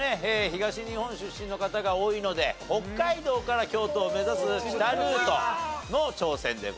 東日本出身の方が多いので北海道から京都を目指す北ルートの挑戦でございます。